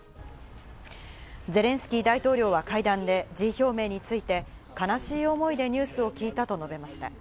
ゼレンスキー大統領は会談で辞意表明について、悲しい思いでニュースを聞いたと述べました。